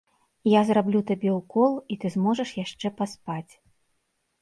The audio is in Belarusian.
Я зраблю табе ўкол і ты зможаш яшчэ паспаць.